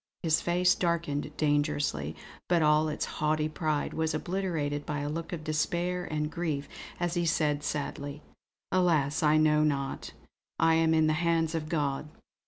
His face darkened dangerously; but all its haughty pride was obliterated by a look of despair and grief as he said sadly: "Alas I know not. I am in the hands of God!